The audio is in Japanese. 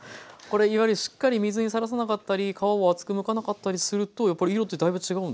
これいわゆるしっかり水にさらさなかったり皮を厚くむかなかったりするとやっぱり色ってだいぶ違うんですか？